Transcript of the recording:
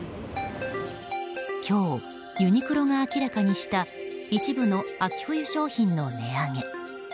今日、ユニクロが明らかにした一部の秋冬商品の値上げ。